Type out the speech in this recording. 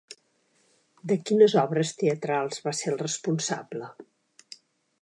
De quines obres teatrals va ser el responsable?